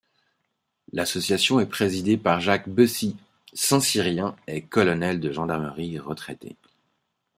L'association est présidée par Jacques Bessy, saint-cyrien et colonel de gendarmerie retraité.